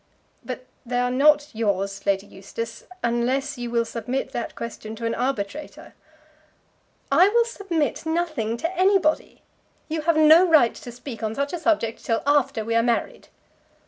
"But they are not yours, Lady Eustace, unless you will submit that question to an arbitrator." "I will submit nothing to anybody. You have no right to speak on such a subject till after we are married."